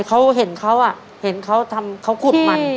เขาเห็นเขาอ่ะเห็นเขาทำควบมัน